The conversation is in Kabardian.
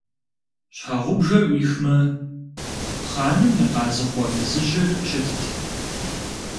Щхьэгъубжэр Ӏуихмэ, хъаным и къазыхъуэ фызыжьыр щытт.